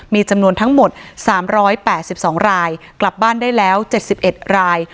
มีจำนวนทั้งหมด๓๘๒รายกลับบ้านได้แล้ว๗๑ราย